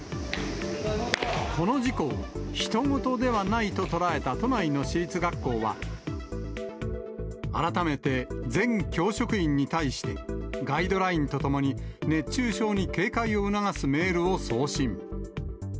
この事故をひと事ではないととらえた都内の私立学校は、改めて全教職員に対して、ガイドラインとともに熱中症に警戒を促すメールを送信。